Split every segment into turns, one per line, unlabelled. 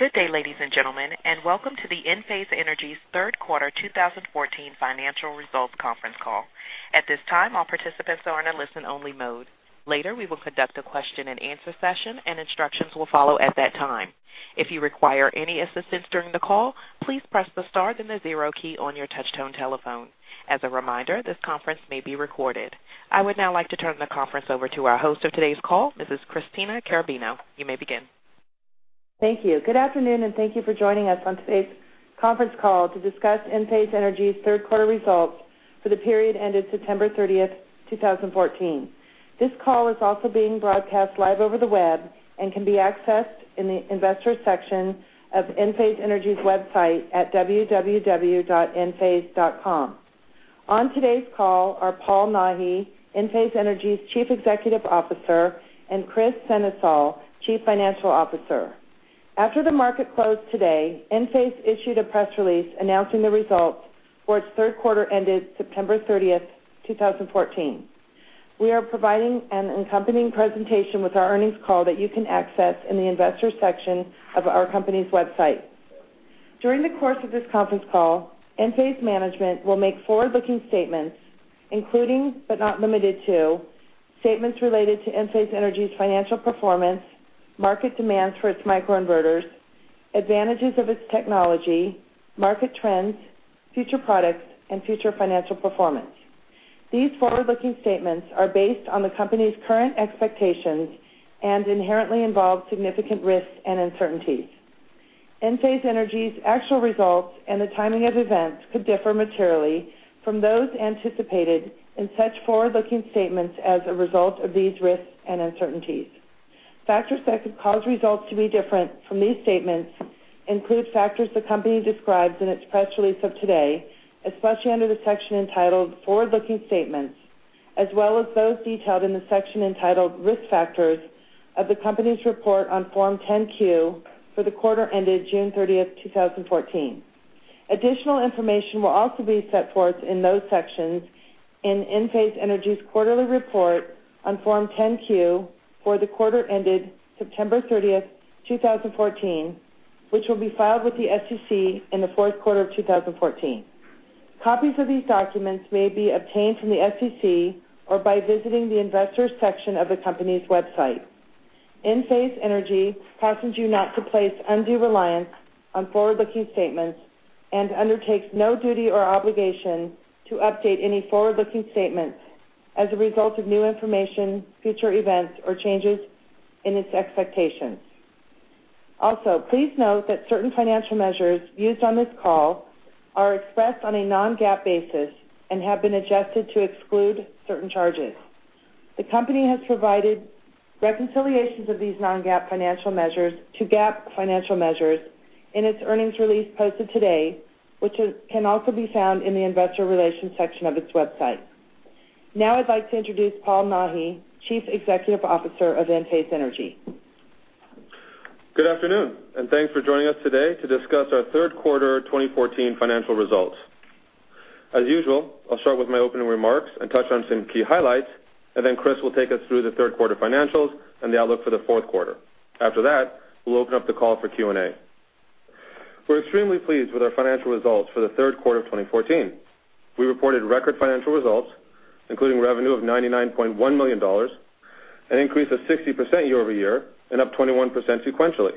Good day, ladies and gentlemen, welcome to the Enphase Energy's third quarter 2014 financial results conference call. At this time, all participants are in a listen-only mode. Later, we will conduct a question-and-answer session, and instructions will follow at that time. If you require any assistance during the call, please press the star then the zero key on your touchtone telephone. As a reminder, this conference may be recorded. I would now like to turn the conference over to our host for today's call, Mrs. Christina Carrabino. You may begin.
Thank you. Good afternoon, thank you for joining us on today's conference call to discuss Enphase Energy's third quarter results for the period ended September 30th, 2014. This call is also being broadcast live over the web and can be accessed in the investor section of Enphase Energy's website at www.enphase.com. On today's call are Paul Nahi, Enphase Energy's Chief Executive Officer, and Kris Sennesael, Chief Financial Officer. After the market closed today, Enphase issued a press release announcing the results for its third quarter ended September 30th, 2014. We are providing an accompanying presentation with our earnings call that you can access in the investor section of our company's website. During the course of this conference call, Enphase management will make forward-looking statements including, but not limited to, statements related to Enphase Energy's financial performance, market demands for its microinverters, advantages of its technology, market trends, future products, and future financial performance. These forward-looking statements are based on the company's current expectations and inherently involve significant risks and uncertainties. Enphase Energy's actual results and the timing of events could differ materially from those anticipated in such forward-looking statements as a result of these risks and uncertainties. Factors that could cause results to be different from these statements include factors the company describes in its press release of today, especially under the section entitled Forward-Looking Statements, as well as those detailed in the section entitled Risk Factors of the company's report on Form 10-Q for the quarter ended June 30th, 2014. Additional information will also be set forth in those sections in Enphase Energy's quarterly report on Form 10-Q for the quarter ended September 30th, 2014, which will be filed with the SEC in the fourth quarter of 2014. Copies of these documents may be obtained from the SEC or by visiting the investors section of the company's website. Enphase Energy cautions you not to place undue reliance on forward-looking statements and undertakes no duty or obligation to update any forward-looking statements as a result of new information, future events, or changes in its expectations. Please note that certain financial measures used on this call are expressed on a non-GAAP basis and have been adjusted to exclude certain charges. The company has provided reconciliations of these non-GAAP financial measures to GAAP financial measures in its earnings release posted today, which can also be found in the investor relations section of its website. Now I'd like to introduce Paul Nahi, Chief Executive Officer of Enphase Energy.
Good afternoon. Thanks for joining us today to discuss our third quarter 2014 financial results. As usual, I'll start with my opening remarks and touch on some key highlights. Chris will take us through the third quarter financials and the outlook for the fourth quarter. After that, we'll open up the call for Q&A. We're extremely pleased with our financial results for the third quarter of 2014. We reported record financial results, including revenue of $99.1 million, an increase of 60% year-over-year and up 21% sequentially.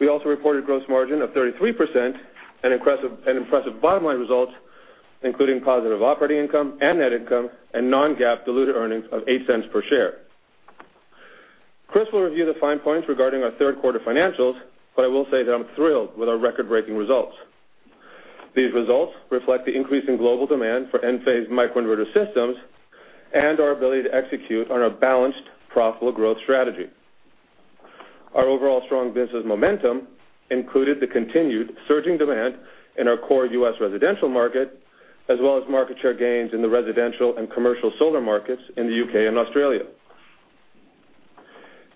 We also reported gross margin of 33% and impressive bottom-line results, including positive operating income and net income and non-GAAP diluted earnings of $0.08 per share. I will say that I'm thrilled with our record-breaking results. These results reflect the increase in global demand for Enphase microinverter systems and our ability to execute on our balanced, profitable growth strategy. Our overall strong business momentum included the continued surging demand in our core U.S. residential market, as well as market share gains in the residential and commercial solar markets in the U.K. and Australia.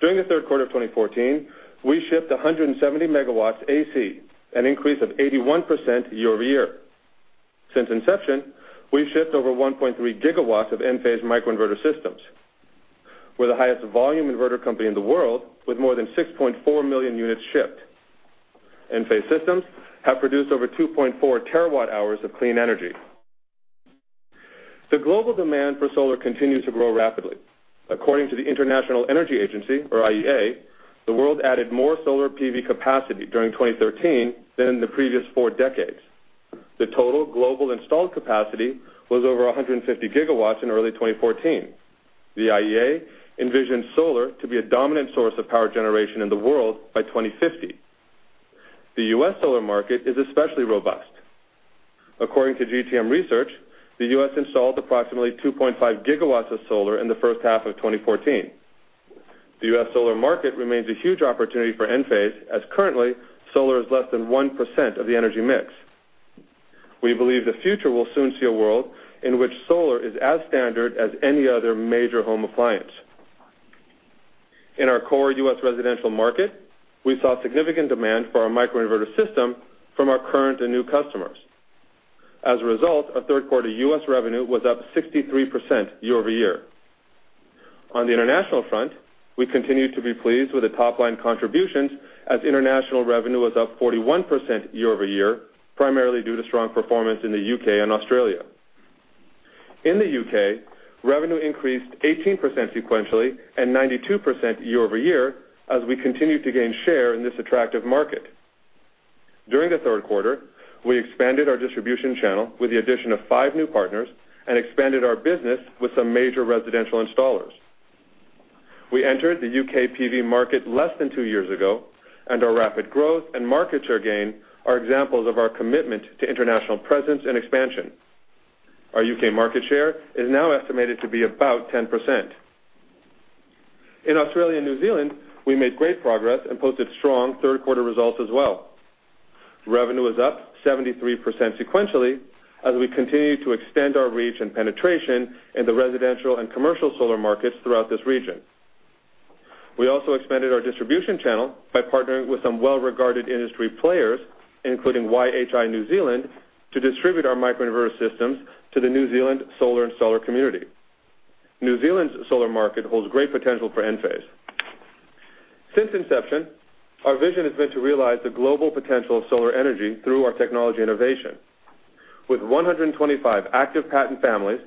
During the third quarter of 2014, we shipped 170 megawatts AC, an increase of 81% year-over-year. Since inception, we've shipped over 1.3 gigawatts of Enphase microinverter systems. We're the highest volume inverter company in the world, with more than 6.4 million units shipped. Enphase systems have produced over 2.4 terawatt-hours of clean energy. The global demand for solar continues to grow rapidly. According to the International Energy Agency, or IEA, the world added more solar PV capacity during 2013 than in the previous four decades. The total global installed capacity was over 150 gigawatts in early 2014. The IEA envisions solar to be a dominant source of power generation in the world by 2050. The U.S. solar market is especially robust. According to GTM Research, the U.S. installed approximately 2.5 gigawatts of solar in the first half of 2014. The U.S. solar market remains a huge opportunity for Enphase, as currently, solar is less than 1% of the energy mix. We believe the future will soon see a world in which solar is as standard as any other major home appliance. In our core U.S. residential market, we saw significant demand for our microinverter system from our current and new customers. As a result, our third quarter U.S. revenue was up 63% year-over-year. On the international front, we continue to be pleased with the top-line contributions as international revenue was up 41% year-over-year, primarily due to strong performance in the U.K. and Australia. In the U.K., revenue increased 18% sequentially and 92% year-over-year as we continue to gain share in this attractive market. During the third quarter, we expanded our distribution channel with the addition of five new partners and expanded our business with some major residential installers. We entered the U.K. PV market less than two years ago, and our rapid growth and market share gain are examples of our commitment to international presence and expansion. Our U.K. market share is now estimated to be about 10%. In Australia and New Zealand, we made great progress and posted strong third-quarter results as well. Revenue was up 73% sequentially as we continue to extend our reach and penetration in the residential and commercial solar markets throughout this region. We also expanded our distribution channel by partnering with some well-regarded industry players, including YHI New Zealand, to distribute our microinverter systems to the New Zealand solar installer community. New Zealand's solar market holds great potential for Enphase. Since inception, our vision has been to realize the global potential of solar energy through our technology innovation. With 125 active patent families,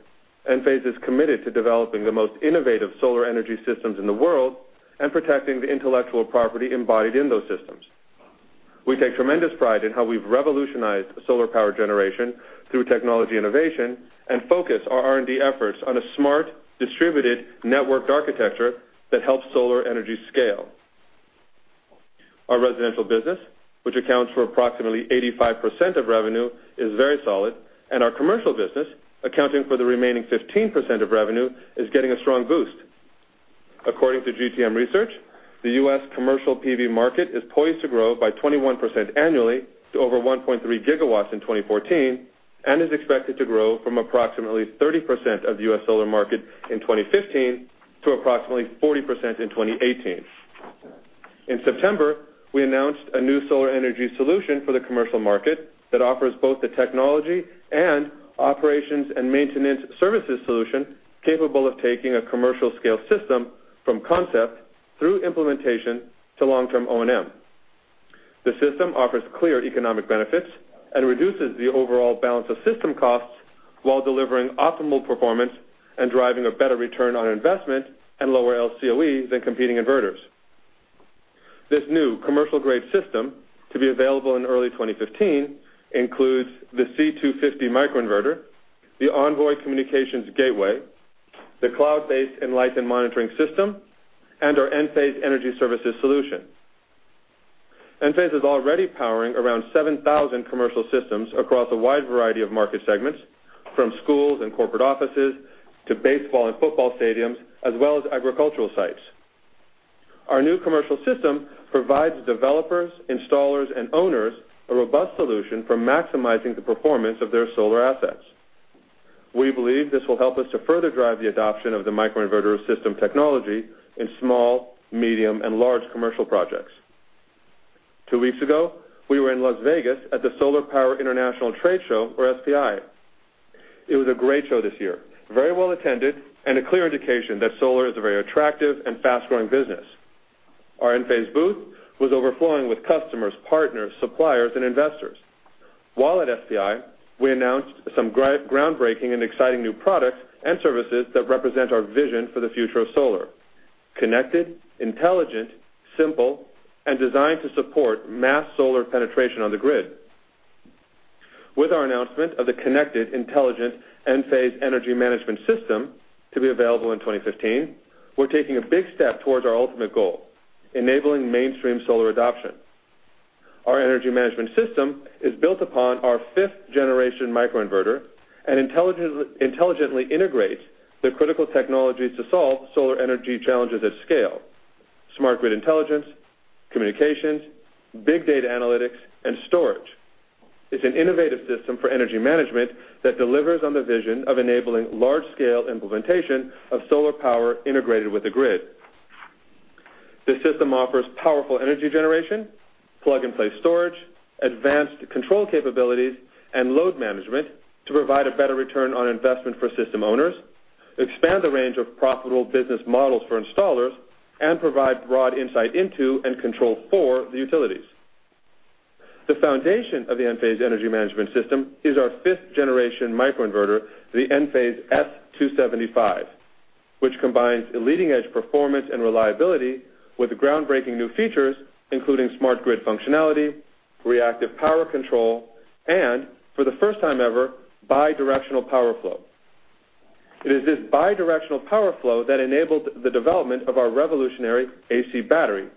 Enphase is committed to developing the most innovative solar energy systems in the world and protecting the intellectual property embodied in those systems. We take tremendous pride in how we've revolutionized solar power generation through technology innovation and focus our R&D efforts on a smart, distributed, networked architecture that helps solar energy scale. Our residential business, which accounts for approximately 85% of revenue, is very solid, and our commercial business, accounting for the remaining 15% of revenue, is getting a strong boost. According to GTM Research, the U.S. commercial PV market is poised to grow by 21% annually to over 1.3 gigawatts in 2014 and is expected to grow from approximately 30% of the U.S. solar market in 2015 to approximately 40% in 2018. In September, we announced a new solar energy solution for the commercial market that offers both the technology and operations and maintenance services solution capable of taking a commercial-scale system from concept through implementation to long-term O&M. The system offers clear economic benefits and reduces the overall balance of system costs while delivering optimal performance and driving a better return on investment and lower LCOE than competing inverters. This new commercial-grade system, to be available in early 2015, includes the C250 microinverter, the Envoy communications gateway, the cloud-based Enlighten monitoring system, and our Enphase Energy Services solution. Enphase is already powering around 7,000 commercial systems across a wide variety of market segments, from schools and corporate offices to baseball and football stadiums, as well as agricultural sites. Our new commercial system provides developers, installers, and owners a robust solution for maximizing the performance of their solar assets. We believe this will help us to further drive the adoption of the microinverter system technology in small, medium, and large commercial projects. Two weeks ago, we were in Las Vegas at the Solar Power International trade show, or SPI. It was a great show this year, very well attended, and a clear indication that solar is a very attractive and fast-growing business. Our Enphase booth was overflowing with customers, partners, suppliers, and investors. While at SPI, we announced some groundbreaking and exciting new products and services that represent our vision for the future of solar: connected, intelligent, simple, and designed to support mass solar penetration on the grid. With our announcement of the connected, intelligent Enphase Energy Management System to be available in 2015, we're taking a big step towards our ultimate goal, enabling mainstream solar adoption. Our energy management system is built upon our fifth-generation microinverter and intelligently integrates the critical technologies to solve solar energy challenges at scale: smart grid intelligence, communications, big data analytics, and storage. It's an innovative system for energy management that delivers on the vision of enabling large-scale implementation of solar power integrated with the grid. The system offers powerful energy generation, plug-and-play storage, advanced control capabilities, and load management to provide a better return on investment for system owners, expand the range of profitable business models for installers, and provide broad insight into and control for the utilities. The foundation of the Enphase Energy Management System is our fifth-generation microinverter, the Enphase S275, which combines a leading-edge performance and reliability with groundbreaking new features, including smart grid functionality, reactive power control, and, for the first time ever, bidirectional power flow. It is this bidirectional power flow that enabled the development of our revolutionary AC battery,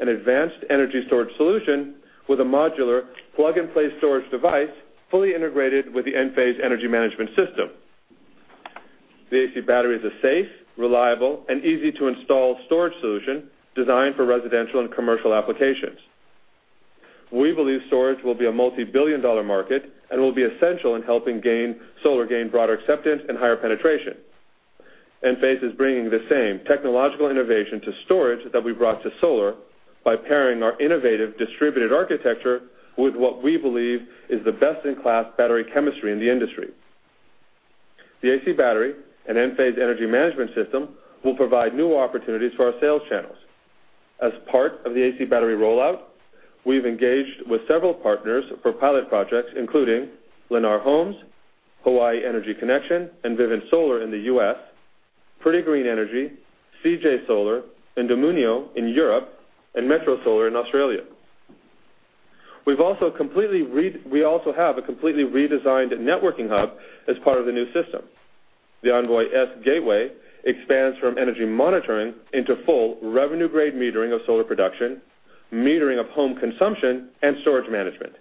an advanced energy storage solution with a modular plug-and-play storage device fully integrated with the Enphase Energy Management System. The AC batteries are safe, reliable, and easy-to-install storage solution designed for residential and commercial applications. We believe storage will be a multibillion-dollar market and will be essential in helping solar gain broader acceptance and higher penetration. Enphase is bringing the same technological innovation to storage that we brought to solar by pairing our innovative distributed architecture with what we believe is the best-in-class battery chemistry in the industry. The AC battery and Enphase Energy Management System will provide new opportunities for our sales channels. As part of the AC battery rollout, we've engaged with several partners for pilot projects, including Lennar Homes, Hawaii Energy Connection, and Vivint Solar in the U.S., Pretty Green Energy, CJ Solar, and Domunio in Europe, and Metro Solar in Australia. We also have a completely redesigned networking hub as part of the new system. The Envoy-S gateway expands from energy monitoring into full revenue-grade metering of solar production, metering of home consumption, and storage management.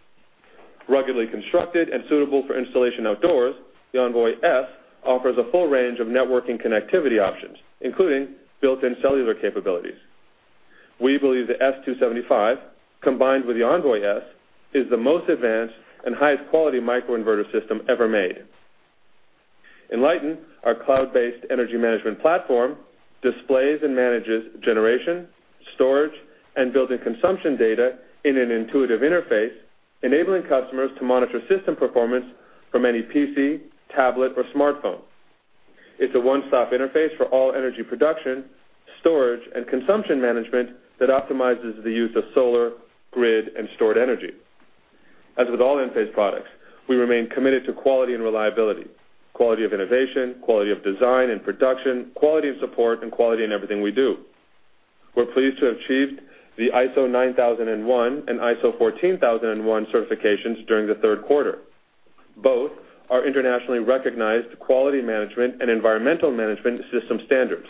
Ruggedly constructed and suitable for installation outdoors, the Envoy-S offers a full range of networking connectivity options, including built-in cellular capabilities. We believe the S275, combined with the Envoy-S, is the most advanced and highest quality microinverter system ever made. Enlighten, our cloud-based energy management platform, displays and manages generation, storage, and built-in consumption data in an intuitive interface, enabling customers to monitor system performance from any PC, tablet, or smartphone. It's a one-stop interface for all energy production, storage, and consumption management that optimizes the use of solar, grid, and stored energy. As with all Enphase products, we remain committed to quality and reliability, quality of innovation, quality of design and production, quality of support, and quality in everything we do. We're pleased to have achieved the ISO 9001 and ISO 14001 certifications during the third quarter. Both are internationally recognized quality management and environmental management system standards.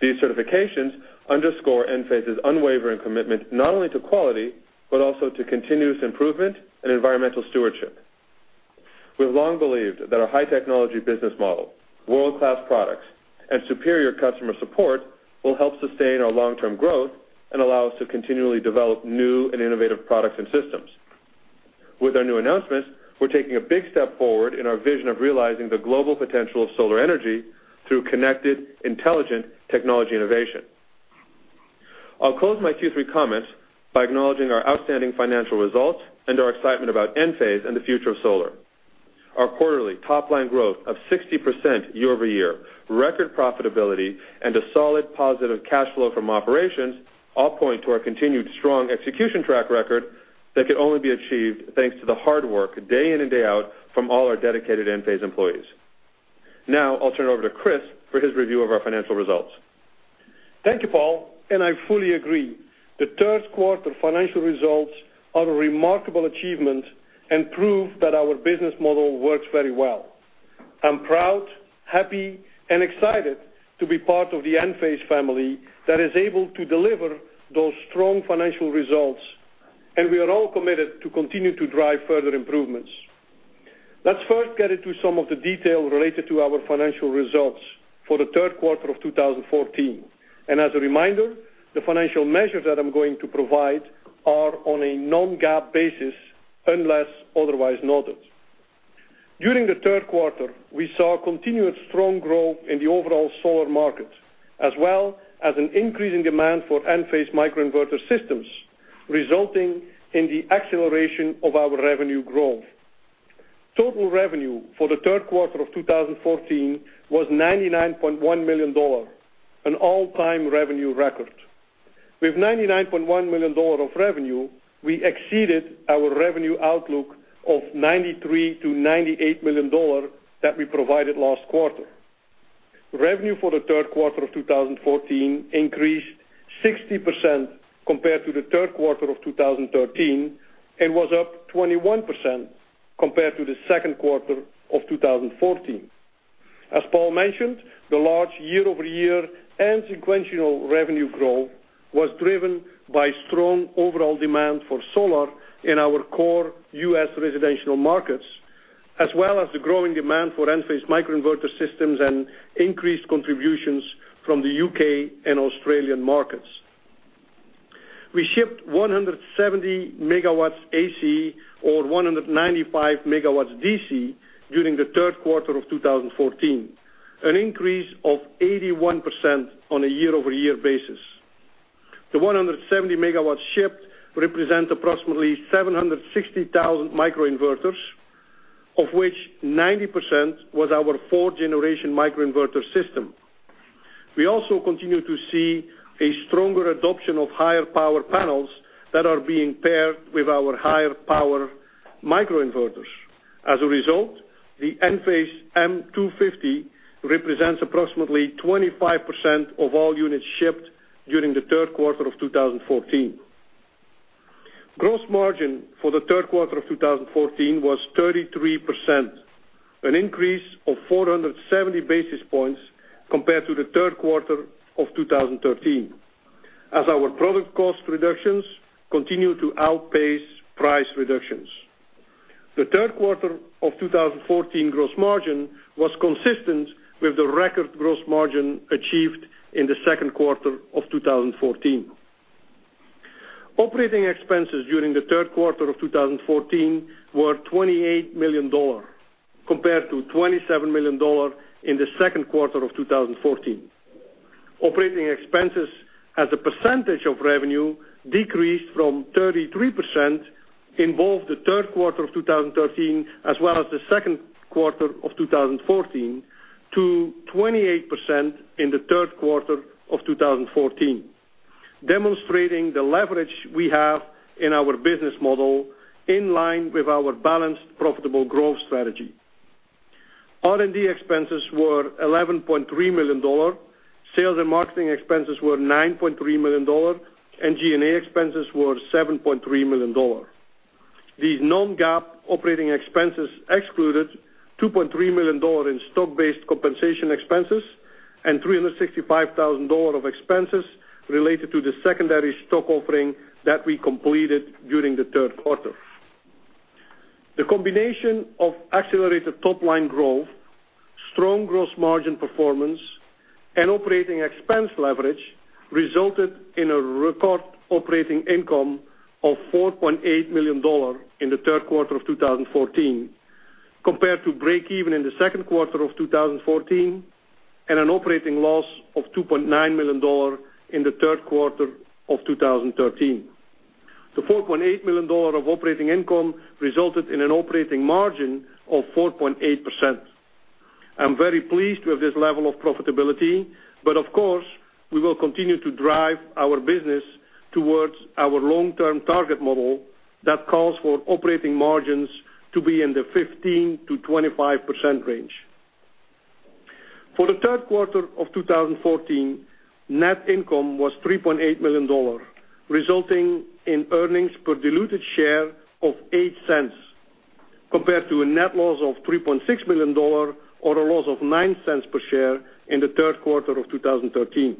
These certifications underscore Enphase's unwavering commitment not only to quality, but also to continuous improvement and environmental stewardship. We've long believed that our high technology business model, world-class products, and superior customer support will help sustain our long-term growth and allow us to continually develop new and innovative products and systems. With our new announcements, we're taking a big step forward in our vision of realizing the global potential of solar energy through connected, intelligent technology innovation. I'll close my Q3 comments by acknowledging our outstanding financial results and our excitement about Enphase and the future of solar. Our quarterly top-line growth of 60% year-over-year, record profitability, and a solid positive cash flow from operations all point to our continued strong execution track record that can only be achieved thanks to the hard work day in and day out from all our dedicated Enphase employees. Now, I'll turn it over to Kris for his review of our financial results.
Thank you, Paul, and I fully agree. The third quarter financial results are a remarkable achievement and prove that our business model works very well. I'm proud, happy, and excited to be part of the Enphase family that is able to deliver those strong financial results, and we are all committed to continue to drive further improvements. Let's first get into some of the details related to our financial results for the third quarter of 2014. As a reminder, the financial measures that I'm going to provide are on a non-GAAP basis, unless otherwise noted. During the third quarter, we saw continued strong growth in the overall solar market, as well as an increase in demand for Enphase microinverter systems, resulting in the acceleration of our revenue growth. Total revenue for the third quarter of 2014 was $99.1 million, an all-time revenue record. With $99.1 million of revenue, we exceeded our revenue outlook of $93 million-$98 million that we provided last quarter. Revenue for the third quarter of 2014 increased 60% compared to the third quarter of 2013 and was up 21% compared to the second quarter of 2014. As Paul mentioned, the large year-over-year and sequential revenue growth was driven by strong overall demand for solar in our core U.S. residential markets, as well as the growing demand for Enphase microinverter systems and increased contributions from the U.K. and Australian markets. We shipped 170 MW AC or 195 MW DC during the third quarter of 2014, an increase of 81% on a year-over-year basis. The 170 MW shipped represent approximately 760,000 microinverters, of which 90% was our fourth-generation microinverter system. We also continue to see a stronger adoption of higher power panels that are being paired with our higher power microinverters. As a result, the Enphase M250 represents approximately 25% of all units shipped during the third quarter of 2014. Gross margin for the third quarter of 2014 was 33%, an increase of 470 basis points compared to the third quarter of 2013, as our product cost reductions continue to outpace price reductions. The third quarter of 2014 gross margin was consistent with the record gross margin achieved in the second quarter of 2014. Operating expenses during the third quarter of 2014 were $28 million, compared to $27 million in the second quarter of 2014. Operating expenses as a percentage of revenue decreased from 33% in both the third quarter of 2013, as well as the second quarter of 2014, to 28% in the third quarter of 2014, demonstrating the leverage we have in our business model in line with our balanced, profitable growth strategy. R&D expenses were $11.3 million, sales and marketing expenses were $9.3 million, and G&A expenses were $7.3 million. These non-GAAP operating expenses excluded $2.3 million in stock-based compensation expenses and $365,000 of expenses related to the secondary stock offering that we completed during the third quarter. The combination of accelerated top-line growth, strong gross margin performance, and operating expense leverage resulted in a record operating income of $4.8 million in the third quarter of 2014, compared to breakeven in the second quarter of 2014, and an operating loss of $2.9 million in the third quarter of 2013. The $4.8 million of operating income resulted in an operating margin of 4.8%. I am very pleased with this level of profitability, but of course, we will continue to drive our business towards our long-term target model that calls for operating margins to be in the 15%-25% range. For the third quarter of 2014, net income was $3.8 million, resulting in earnings per diluted share of $0.08, compared to a net loss of $3.6 million or a loss of $0.09 per share in the third quarter of 2013.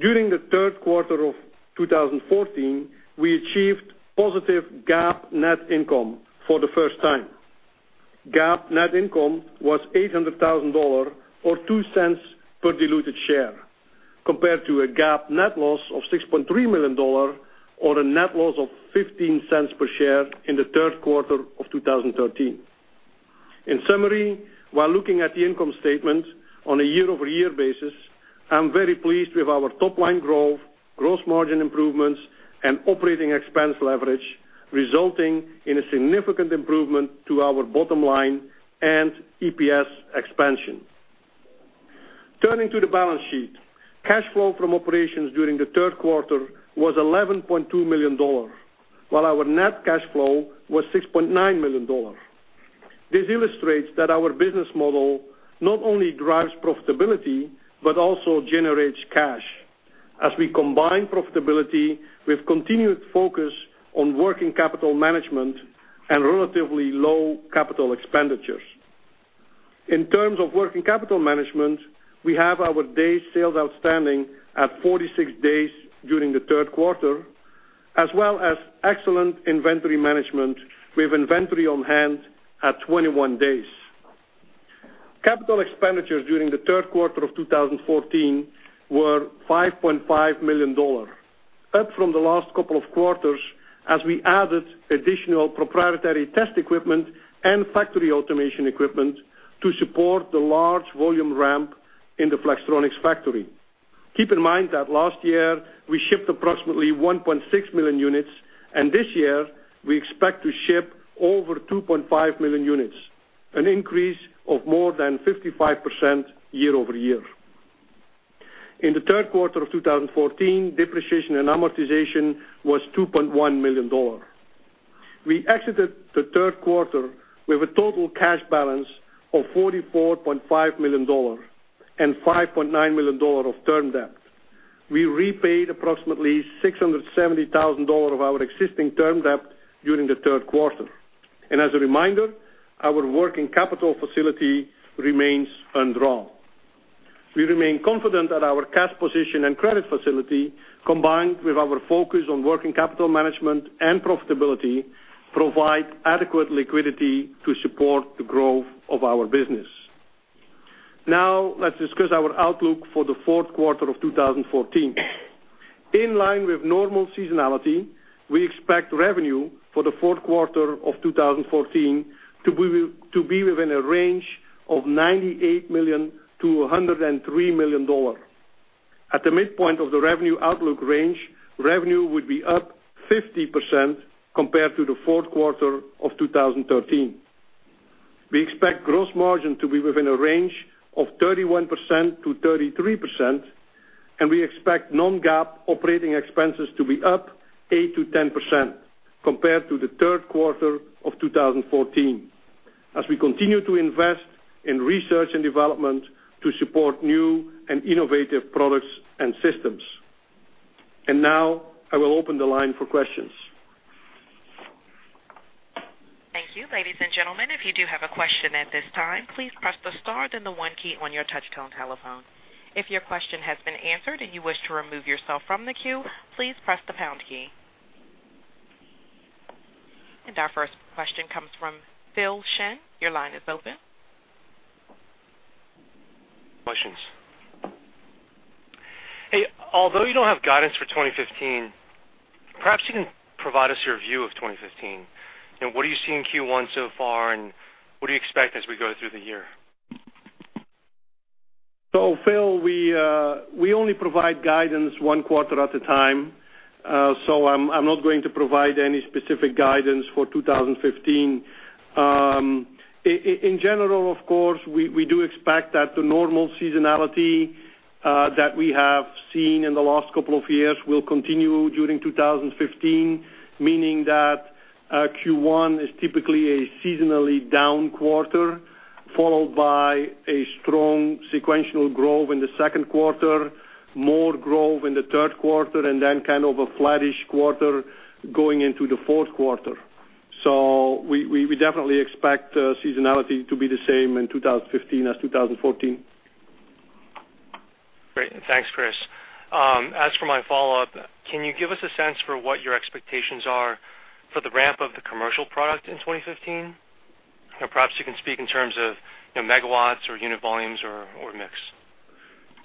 During the third quarter of 2014, we achieved positive GAAP net income for the first time. GAAP net income was $800,000, or $0.02 per diluted share, compared to a GAAP net loss of $6.3 million, or a net loss of $0.15 per share in the third quarter of 2013. In summary, while looking at the income statement on a year-over-year basis, I am very pleased with our top-line growth, gross margin improvements, and operating expense leverage, resulting in a significant improvement to our bottom line and EPS expansion. Turning to the balance sheet, cash flow from operations during the third quarter was $11.2 million, while our net cash flow was $6.9 million. This illustrates that our business model not only drives profitability, but also generates cash as we combine profitability with continued focus on working capital management and relatively low capital expenditures. In terms of working capital management, we have our day sales outstanding at 46 days during the third quarter, as well as excellent inventory management with inventory on hand at 21 days. Capital expenditures during the third quarter of 2014 were $5.5 million, up from the last couple of quarters as we added additional proprietary test equipment and factory automation equipment to support the large volume ramp in the Flextronics factory. Keep in mind that last year, we shipped approximately 1.6 million units, and this year we expect to ship over 2.5 million units, an increase of more than 55% year-over-year. In the third quarter of 2014, depreciation and amortization was $2.1 million. We exited the third quarter with a total cash balance of $44.5 million and $5.9 million of term debt. We repaid approximately $670,000 of our existing term debt during the third quarter. As a reminder, our working capital facility remains undrawn. We remain confident that our cash position and credit facility, combined with our focus on working capital management and profitability, provide adequate liquidity to support the growth of our business. Now, let's discuss our outlook for the fourth quarter of 2014. In line with normal seasonality, we expect revenue for the fourth quarter of 2014 to be within a range of $98 million-$103 million. At the midpoint of the revenue outlook range, revenue would be up 50% compared to the fourth quarter of 2013. We expect gross margin to be within a range of 31%-33%, and we expect non-GAAP operating expenses to be up 8%-10% compared to the third quarter of 2014 as we continue to invest in research and development to support new and innovative products and systems. Now I will open the line for questions.
Thank you. Ladies and gentlemen, if you do have a question at this time, please press the star then the 1 key on your touchtone telephone. If your question has been answered and you wish to remove yourself from the queue, please press the pound key. Our first question comes from Philip Shen. Your line is open.
Questions. Hey, although you don't have guidance for 2015, perhaps you can provide us your view of 2015. What are you seeing in Q1 so far, and what do you expect as we go through the year?
Phil, we only provide guidance 1 quarter at a time, I'm not going to provide any specific guidance for 2015. In general, of course, we do expect that the normal seasonality that we have seen in the last couple of years will continue during 2015, meaning that Q1 is typically a seasonally down quarter, followed by a strong sequential growth in the second quarter, more growth in the third quarter, and then kind of a flattish quarter going into the fourth quarter. We definitely expect seasonality to be the same in 2015 as 2014.
Great. Thanks, Kris. As for my follow-up, can you give us a sense for what your expectations are for the ramp of the commercial product in 2015? Perhaps you can speak in terms of megawatts or unit volumes or mix.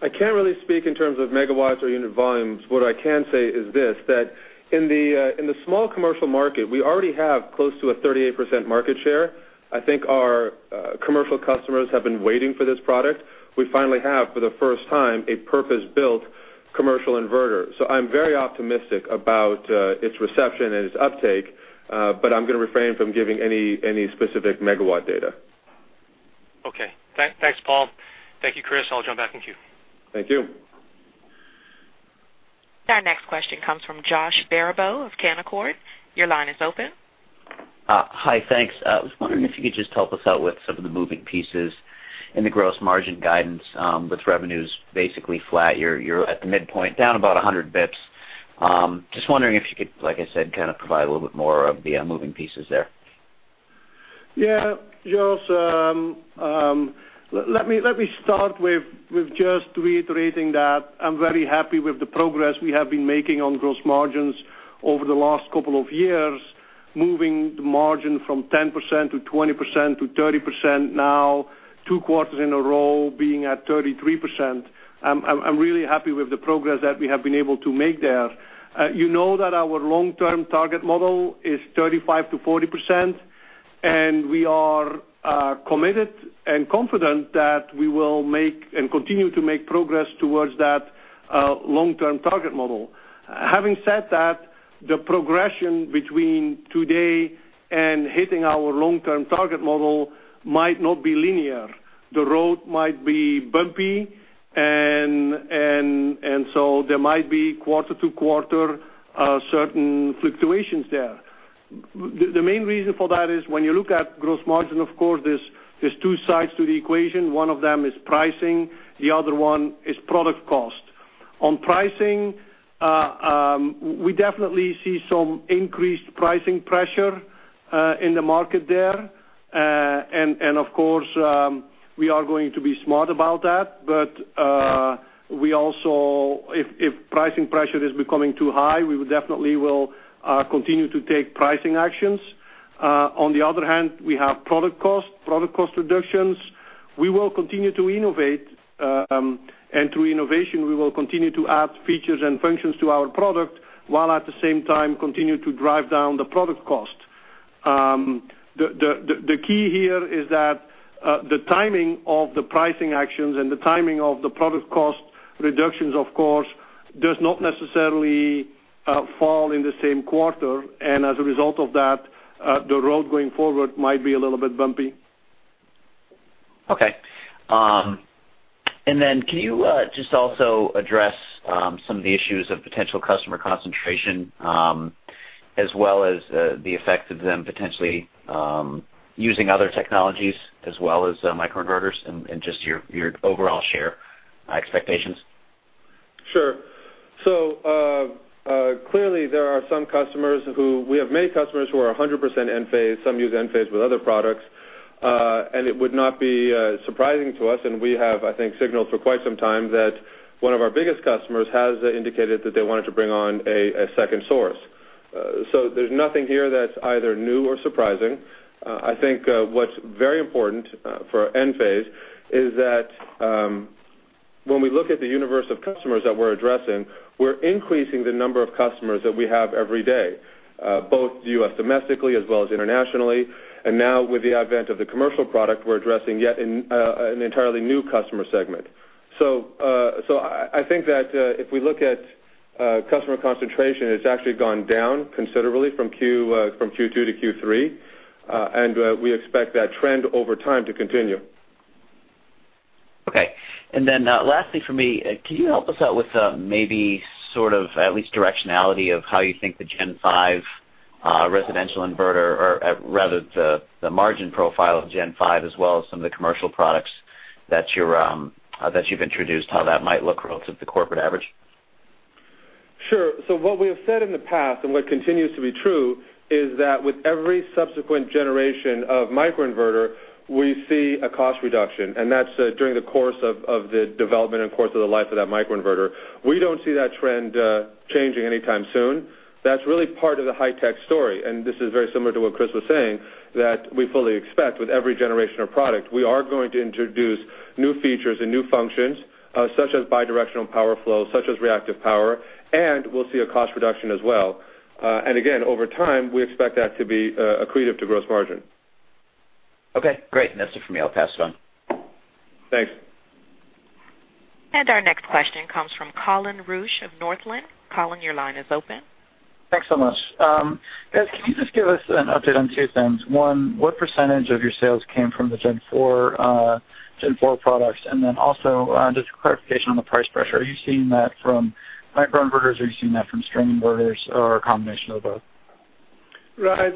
I can't really speak in terms of megawatts or unit volumes. What I can say is this, that in the small commercial market, we already have close to a 38% market share. I think our commercial customers have been waiting for this product. We finally have, for the first time, a purpose-built commercial inverter. I'm very optimistic about its reception and its uptake, but I'm going to refrain from giving any specific megawatt data.
Okay. Thanks, Paul. Thank you, Kris. I'll jump back in queue.
Thank you.
Our next question comes from Josh Baribeau of Canaccord. Your line is open.
Hi, thanks. I was wondering if you could just help us out with some of the moving pieces in the gross margin guidance with revenues basically flat, you're at the midpoint down about 100 basis points. Just wondering if you could, like I said, kind of provide a little bit more of the moving pieces there.
Yeah. Josh, let me start with just reiterating that I'm very happy with the progress we have been making on gross margins over the last couple of years, moving the margin from 10% to 20% to 30%, now two quarters in a row being at 33%. I'm really happy with the progress that we have been able to make there. You know that our long-term target model is 35%-40%, and we are committed and confident that we will make and continue to make progress towards that long-term target model. Having said that, the progression between today and hitting our long-term target model might not be linear. The road might be bumpy, and so there might be quarter-to-quarter certain fluctuations there. The main reason for that is when you look at gross margin, of course, there's two sides to the equation. One of them is pricing, the other one is product cost. On pricing, we definitely see some increased pricing pressure in the market there. Of course, we are going to be smart about that. If pricing pressure is becoming too high, we definitely will continue to take pricing actions. On the other hand, we have product cost reductions. We will continue to innovate. Through innovation, we will continue to add features and functions to our product, while at the same time continue to drive down the product cost. The key here is that the timing of the pricing actions and the timing of the product cost reductions, of course, does not necessarily fall in the same quarter. As a result of that, the road going forward might be a little bit bumpy.
Okay. Can you just also address some of the issues of potential customer concentration, as well as the effect of them potentially using other technologies as well as microinverters and just your overall share expectations?
Sure. Clearly, we have many customers who are 100% Enphase, some use Enphase with other products. It would not be surprising to us, and we have, I think, signaled for quite some time that one of our biggest customers has indicated that they wanted to bring on a second source. There's nothing here that's either new or surprising. I think what's very important for Enphase is that when we look at the universe of customers that we're addressing, we're increasing the number of customers that we have every day, both U.S. domestically as well as internationally. Now with the advent of the commercial product, we're addressing yet an entirely new customer segment. I think that if we look at customer concentration, it's actually gone down considerably from Q2 to Q3, and we expect that trend over time to continue.
Okay. Lastly for me, can you help us out with maybe sort of at least directionality of how you think the Gen 5 residential inverter, or rather the margin profile of Gen 5, as well as some of the commercial products that you've introduced, how that might look relative to corporate average?
Sure. What we have said in the past, and what continues to be true, is that with every subsequent generation of microinverter, we see a cost reduction, and that's during the course of the development and course of the life of that microinverter. We don't see that trend changing anytime soon. That's really part of the high-tech story, and this is very similar to what Kris was saying, that we fully expect with every generation of product, we are going to introduce new features and new functions, such as bidirectional power flow, such as reactive power, and we'll see a cost reduction as well. Again, over time, we expect that to be accretive to gross margin.
Okay, great. That's it for me. I'll pass it on.
Thanks.
Our next question comes from Colin Rusch of Northland. Colin, your line is open.
Thanks so much. Guys, can you just give us an update on two things? One, what percentage of your sales came from the Gen 4 products? Then also, just clarification on the price pressure. Are you seeing that from microinverters, or are you seeing that from string inverters, or a combination of both?
Right.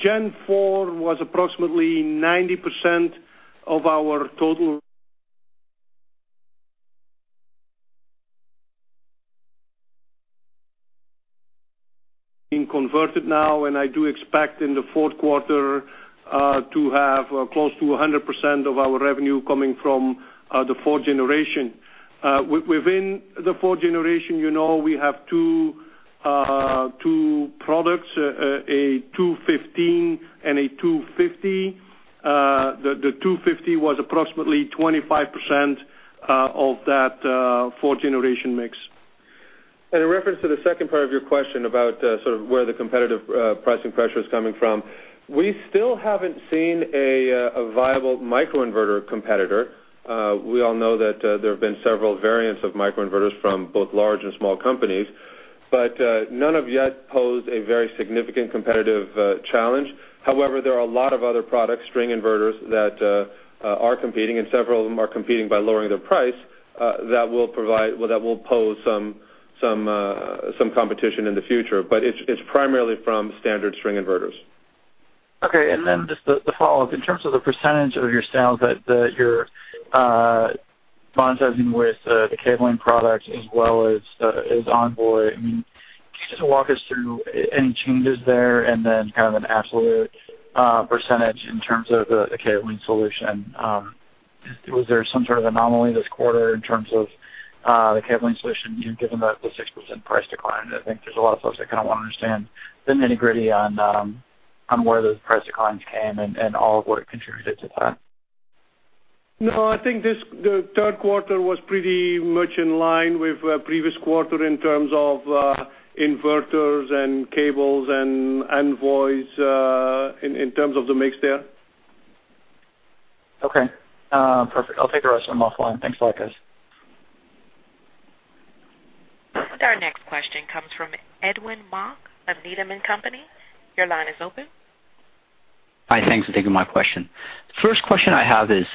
Gen 4 was approximately 90% of our total being converted now, and I do expect in the fourth quarter to have close to 100% of our revenue coming from the fourth generation. Within the fourth generation, we have two products, an M215 and an M250. The M250 was approximately 25% of that fourth-generation mix.
In reference to the second part of your question about sort of where the competitive pricing pressure is coming from, we still haven't seen a viable microinverter competitor. We all know that there have been several variants of microinverters from both large and small companies, but none have yet posed a very significant competitive challenge. However, there are a lot of other product string inverters that are competing, and several of them are competing by lowering their price, that will pose some competition in the future. It's primarily from standard string inverters.
Just the follow-up, in terms of the percentage of your sales that you're monetizing with the cabling product as well as Envoy, can you just walk us through any changes there, and then kind of an absolute percentage in terms of the cabling solution? Was there some sort of anomaly this quarter in terms of the cabling solution, given the 6% price decline? I think there's a lot of folks that kind of want to understand the nitty-gritty on where those price declines came and all of what it contributed to that.
I think the third quarter was pretty much in line with the previous quarter in terms of inverters and cables and Envoys, in terms of the mix there.
Okay. Perfect. I'll take the rest of them offline. Thanks a lot, guys.
Our next question comes from Edwin Mok of Needham & Company. Your line is open.
Hi, thanks for taking my question. First question I have is,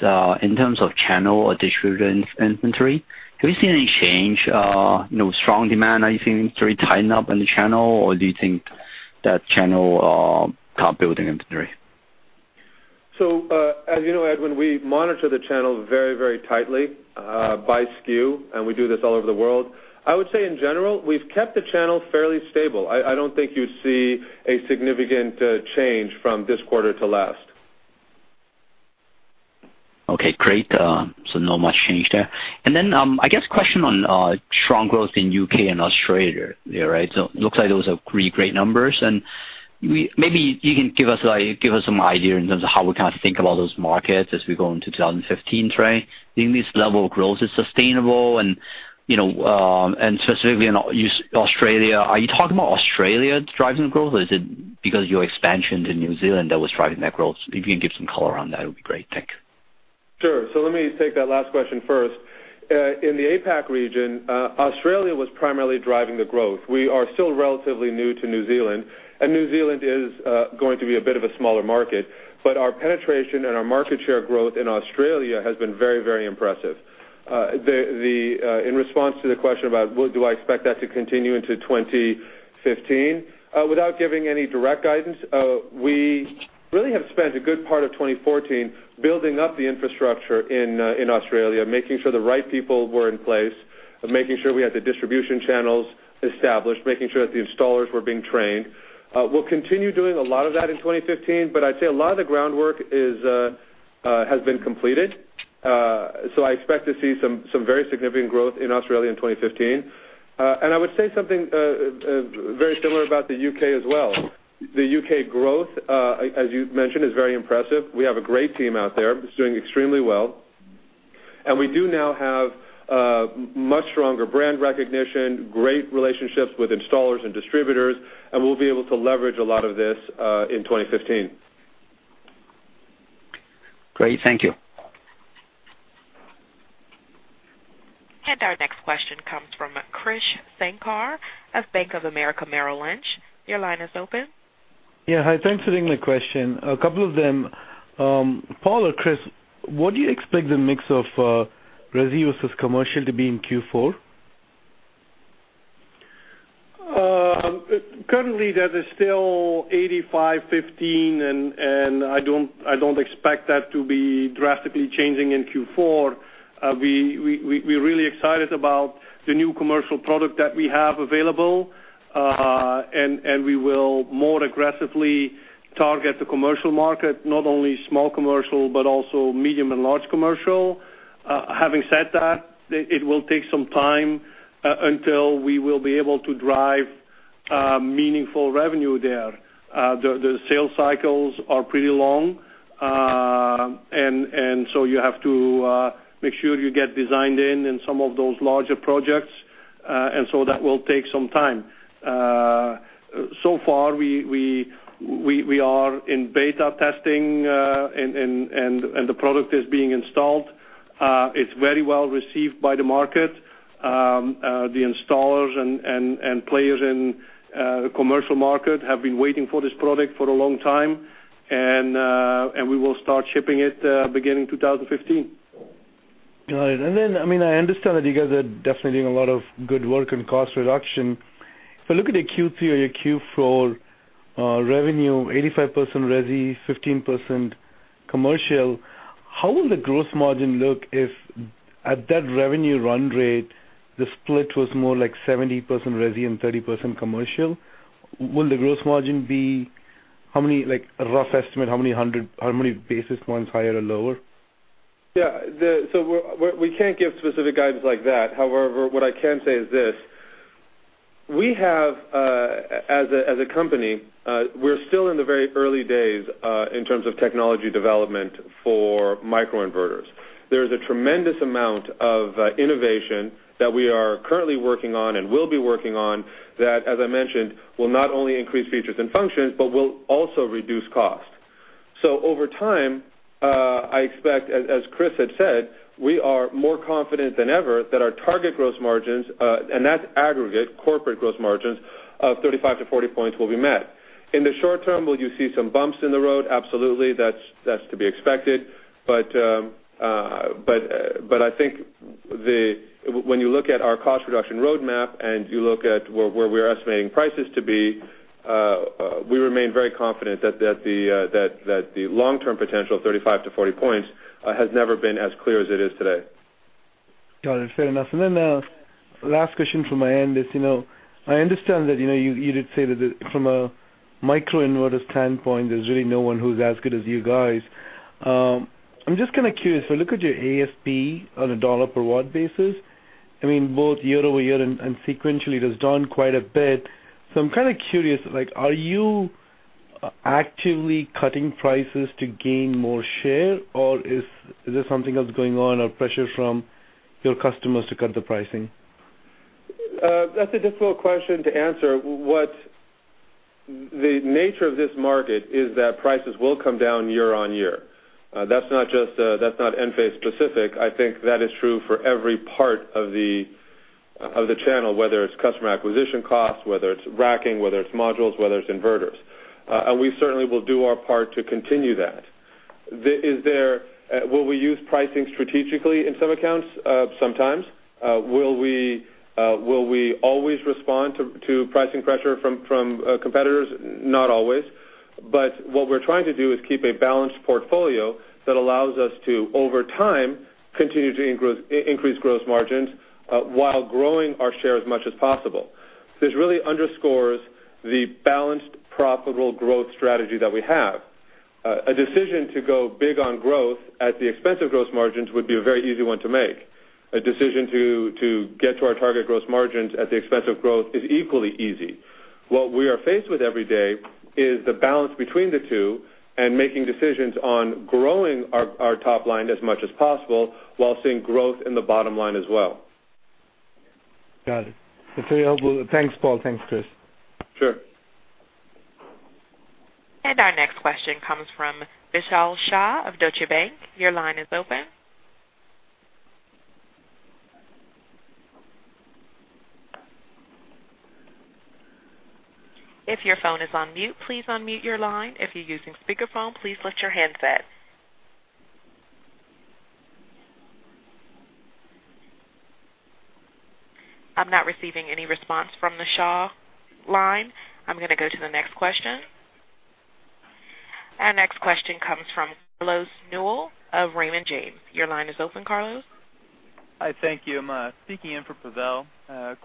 in terms of channel or distributor inventory, have you seen any change, strong demand? Are you seeing inventory tighten up in the channel, or do you think that channel are top-building inventory?
As you know, Edwin, we monitor the channel very tightly, by SKU, and we do this all over the world. I would say in general, we've kept the channel fairly stable. I don't think you'd see a significant change from this quarter to last.
Okay, great. Not much change there. I guess a question on strong growth in U.K. and Australia. Looks like those are three great numbers, and maybe you can give us some idea in terms of how we kind of think about those markets as we go into 2015 trend. Do you think this level of growth is sustainable? Specifically in Australia, are you talking about Australia driving the growth, or is it because your expansion to New Zealand that was driving that growth? If you can give some color on that, it would be great. Thank you.
Sure. Let me take that last question first. In the APAC region, Australia was primarily driving the growth. We are still relatively new to New Zealand, and New Zealand is going to be a bit of a smaller market. Our penetration and our market share growth in Australia has been very impressive. In response to the question about do I expect that to continue into 2015, without giving any direct guidance, we really have spent a good part of 2014 building up the infrastructure in Australia, making sure the right people were in place, making sure we had the distribution channels established, making sure that the installers were being trained. We'll continue doing a lot of that in 2015, but I'd say a lot of the groundwork has been completed. I expect to see some very significant growth in Australia in 2015. I would say something very similar about the U.K. as well. The U.K. growth, as you mentioned, is very impressive. We have a great team out there that's doing extremely well, we do now have much stronger brand recognition, great relationships with installers and distributors, we'll be able to leverage a lot of this in 2015.
Great. Thank you.
Our next question comes from Krish Sankar of Bank of America Merrill Lynch. Your line is open.
Yeah. Hi. Thanks for taking my question, a couple of them. Paul or Kris, what do you expect the mix of resi versus commercial to be in Q4?
Currently, that is still 85/15. I don't expect that to be drastically changing in Q4. We're really excited about the new commercial product that we have available. We will more aggressively target the commercial market, not only small commercial, but also medium and large commercial. Having said that, it will take some time until we will be able to drive meaningful revenue there. The sales cycles are pretty long. You have to make sure you get designed in in some of those larger projects, so that will take some time. So far, we are in beta testing, and the product is being installed. It's very well received by the market. The installers and players in the commercial market have been waiting for this product for a long time. We will start shipping it beginning 2015.
Got it. Then, I understand that you guys are definitely doing a lot of good work in cost reduction. If I look at your Q3 or your Q4 revenue, 85% resi, 15% commercial, how will the gross margin look if, at that revenue run rate, the split was more 70% resi and 30% commercial? Will the gross margin be, like a rough estimate, how many basis points higher or lower?
We can't give specific guidance like that. However, what I can say is this: as a company, we are still in the very early days, in terms of technology development for microinverters. There is a tremendous amount of innovation that we are currently working on and will be working on that, as I mentioned, will not only increase features and functions, but will also reduce cost. Over time, I expect, as Kris had said, we are more confident than ever that our target gross margins, and that is aggregate, corporate gross margins of 35-40 points will be met. In the short term, will you see some bumps in the road? Absolutely. That is to be expected. I think when you look at our cost reduction roadmap, and you look at where we are estimating prices to be, we remain very confident that the long-term potential of 35-40 points has never been as clear as it is today.
Got it. Fair enough. The last question from my end is, I understand that you did say that from a microinverter standpoint, there is really no one who is as good as you guys. I am just curious. If I look at your ASP on a dollar-per-watt basis, both year-over-year and sequentially, it has done quite a bit. I am curious, are you actively cutting prices to gain more share, or is there something else going on, or pressure from your customers to cut the pricing?
That is a difficult question to answer. The nature of this market is that prices will come down year-on-year. That is not Enphase-specific. I think that is true for every part of the channel, whether it is customer acquisition costs, whether it is racking, whether it is modules, whether it is inverters. We certainly will do our part to continue that. Will we use pricing strategically in some accounts? Sometimes. Will we always respond to pricing pressure from competitors? Not always. What we are trying to do is keep a balanced portfolio that allows us to, over time, continue to increase gross margins, while growing our share as much as possible. This really underscores the balanced, profitable growth strategy that we have. A decision to go big on growth at the expense of gross margins would be a very easy one to make. A decision to get to our target gross margins at the expense of growth is equally easy. What we are faced with every day is the balance between the two and making decisions on growing our top line as much as possible while seeing growth in the bottom line as well.
Got it. That's very helpful. Thanks, Paul. Thanks, Kris.
Sure.
Our next question comes from Vishal Shah of Deutsche Bank. Your line is open. If your phone is on mute, please unmute your line. If you're using speakerphone, please lift your handset. I'm not receiving any response from the Shah line. I'm going to go to the next question. Our next question comes from Carlos Newell of Raymond James. Your line is open, Carlos.
Hi, thank you. I'm speaking in for Pavel.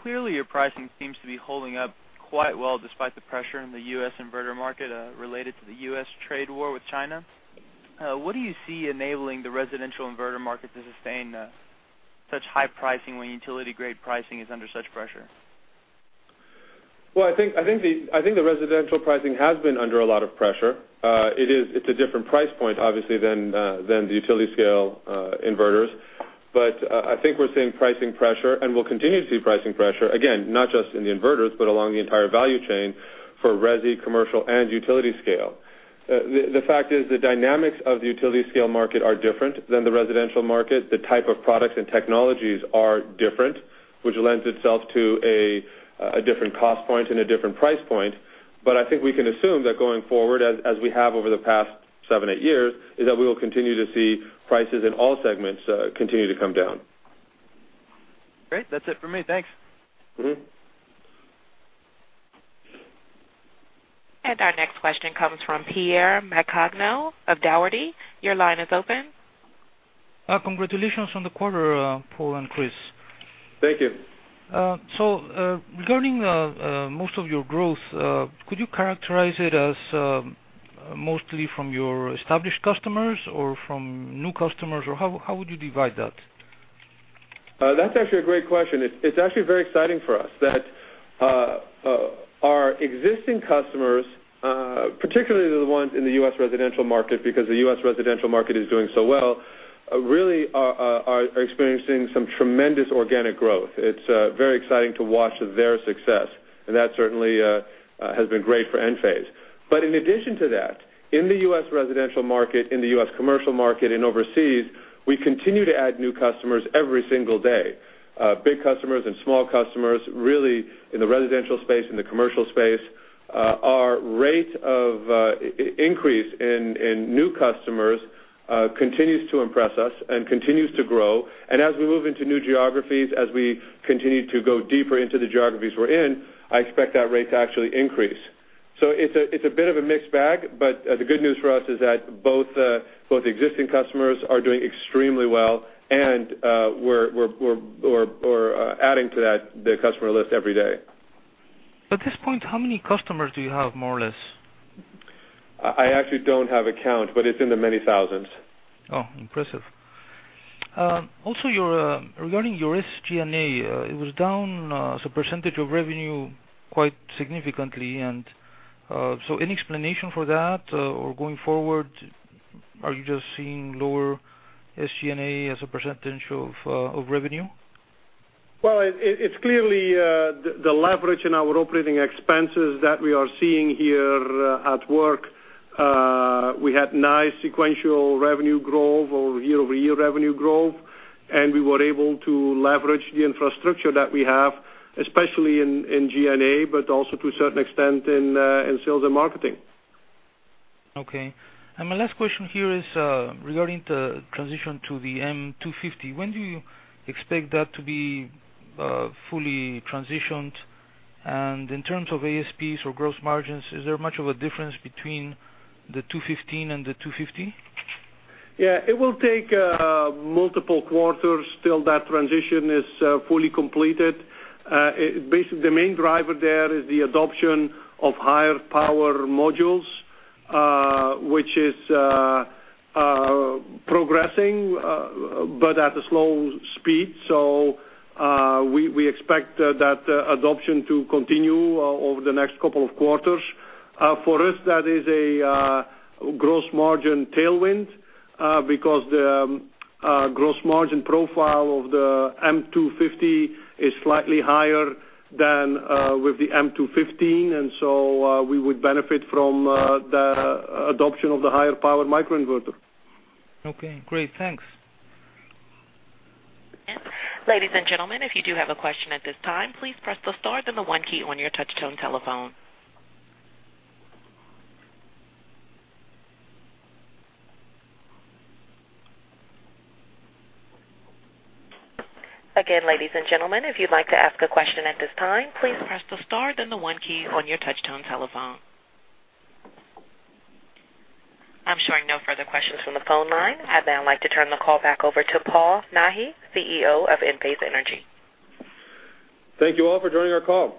Clearly, your pricing seems to be holding up quite well despite the pressure in the U.S. inverter market related to the U.S. trade war with China. What do you see enabling the residential inverter market to sustain such high pricing when utility-grade pricing is under such pressure?
Well, I think the residential pricing has been under a lot of pressure. It's a different price point, obviously, than the utility scale inverters. I think we're seeing pricing pressure and will continue to see pricing pressure, again, not just in the inverters, but along the entire value chain for resi, commercial, and utility scale. The fact is, the dynamics of the utility scale market are different than the residential market. The type of products and technologies are different, which lends itself to a different cost point and a different price point. I think we can assume that going forward, as we have over the past seven, eight years, is that we will continue to see prices in all segments continue to come down.
Great. That's it for me. Thanks.
Our next question comes from Patrick Maccagno of Dougherty. Your line is open.
Congratulations on the quarter, Paul and Kris.
Thank you.
Regarding most of your growth, could you characterize it as mostly from your established customers or from new customers? Or how would you divide that?
That's actually a great question. It's actually very exciting for us that our existing customers, particularly the ones in the U.S. residential market, because the U.S. residential market is doing so well, really are experiencing some tremendous organic growth. It's very exciting to watch their success, and that certainly has been great for Enphase. In addition to that, in the U.S. residential market, in the U.S. commercial market, and overseas, we continue to add new customers every single day. Big customers and small customers, really in the residential space, in the commercial space. Our rate of increase in new customers continues to impress us and continues to grow. As we move into new geographies, as we continue to go deeper into the geographies we're in, I expect that rate to actually increase. It's a bit of a mixed bag, but the good news for us is that both existing customers are doing extremely well, and we're adding to that customer list every day.
At this point, how many customers do you have, more or less?
I actually don't have a count, but it's in the many thousands.
Oh, impressive. Regarding your SG&A, it was down as a % of revenue quite significantly. Any explanation for that or going forward, are you just seeing lower SG&A as a % of revenue?
Well, it's clearly the leverage in our operating expenses that we are seeing here at work. We had nice sequential revenue growth or year-over-year revenue growth, and we were able to leverage the infrastructure that we have, especially in G&A, but also to a certain extent in sales and marketing.
Okay. My last question here is regarding the transition to the M250. When do you expect that to be fully transitioned? In terms of ASPs or gross margins, is there much of a difference between the 215 and the 250?
Yeah, it will take multiple quarters till that transition is fully completed. Basically, the main driver there is the adoption of higher power modules, which is progressing, but at a slow speed. We expect that adoption to continue over the next couple of quarters. For us, that is a gross margin tailwind, because the gross margin profile of the M250 is slightly higher than with the M215. We would benefit from the adoption of the higher power microinverter.
Okay, great. Thanks.
Ladies and gentlemen, if you do have a question at this time, please press the star then the one key on your touch-tone telephone. Again, ladies and gentlemen, if you'd like to ask a question at this time, please press the star then the one key on your touch-tone telephone. I'm showing no further questions from the phone line. I'd now like to turn the call back over to Paul Nahi, CEO of Enphase Energy.
Thank you all for joining our call.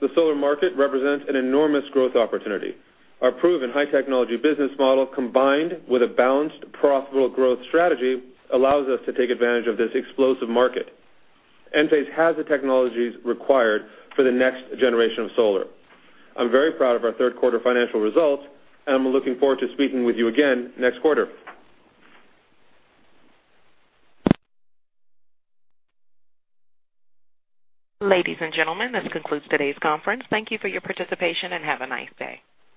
The solar market represents an enormous growth opportunity. Our proven high-technology business model, combined with a balanced, profitable growth strategy, allows us to take advantage of this explosive market. Enphase has the technologies required for the next generation of solar. I'm very proud of our third quarter financial results, and I'm looking forward to speaking with you again next quarter.
Ladies and gentlemen, this concludes today's conference. Thank you for your participation, and have a nice day.